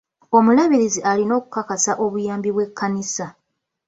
Omulabirizi alina okukakasa obuyambi bw'ekkanisa